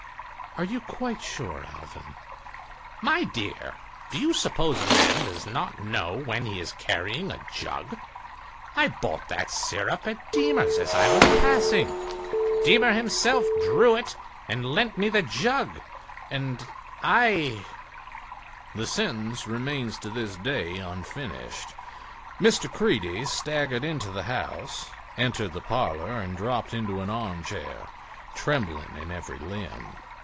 "Are you quite sure, Alvan?" "My dear, do you suppose a man does not know when he is carrying a jug? I bought that sirup at Deemer's as I was passing. Deemer himself drew it and lent me the jug, and I—" The sentence remains to this day unfinished. Mr. Creede staggered into the house, entered the parlor and dropped into an armchair, trembling in every limb.